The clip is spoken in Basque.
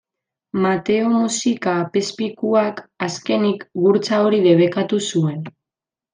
Mateo Muxika apezpikuak, azkenik, gurtza hori debekatu zuen.